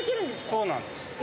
そうなんです。